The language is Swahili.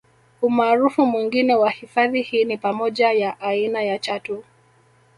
Umaarufu mwingine wa hifadhi hii ni pamoja ya aina ya Chatu